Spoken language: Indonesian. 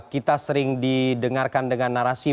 kita sering didengarkan dengan narasi